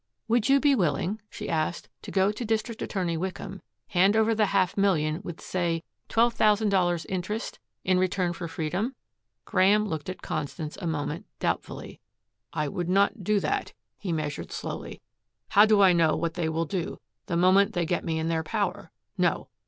"Would you be willing," she asked, "to go to District Attorney Wickham, hand over the half million with, say, twelve thousand dollars interest, in return for freedom?" Graeme looked at Constance a moment doubtfully. "I would not do that," he measured slowly. "How do I know what they will do, the moment they get me in their power? No.